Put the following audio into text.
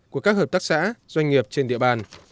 của các hợp tác xã doanh nghiệp trên địa bàn